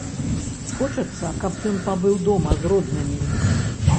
Хочацца, каб ён пабыў дома з роднымі.